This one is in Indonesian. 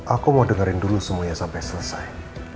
aku mau dengerin dulu semuanya sampai selesai